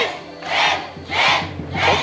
ลิฟท์ลิฟท์ลิฟท์